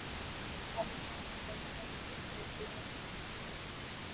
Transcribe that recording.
Tallinn Rahman জন্মগ্রহণ ও বেড়ে ওঠেন লন্ডনে।